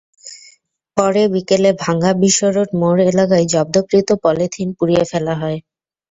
পরে বিকেলে ভাঙ্গা বিশ্বরোড মোড় এলাকায় জব্দকৃত পলিথিন পুড়িয়ে ফেলা হয়।